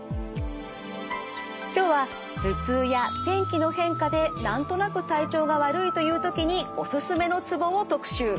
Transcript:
今日は頭痛や天気の変化で何となく体調が悪いという時にオススメのツボを特集。